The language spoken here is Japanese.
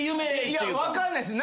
いや分かんないっす。